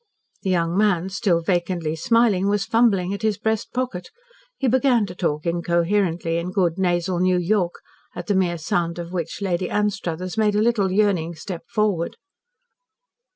The young man, still vacantly smiling, was fumbling at his breast pocket. He began to talk incoherently in good, nasal New York, at the mere sound of which Lady Anstruthers made a little yearning step forward.